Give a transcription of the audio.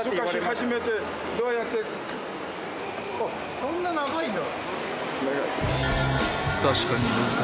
そんな長いんだ。